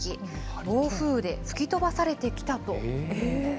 暴風雨で吹き飛ばされてきたというんです。